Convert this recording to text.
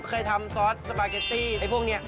เคยทำซอสสปาเกตตี้ไอ้พวกนี้